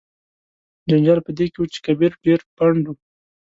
جنجال په دې کې و چې کبیر ډیر پنډ و.